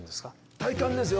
体幹ですよ